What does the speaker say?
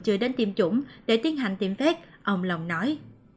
chưa đến tiêm chủng để tiến hành tiêm phép ông lòng nói